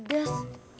ini mah biasa aja